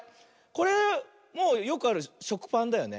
これもうよくあるしょくパンだよね。